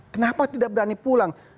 kenapa tidak berani pulang